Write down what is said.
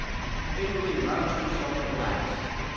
Italy roused herself at last.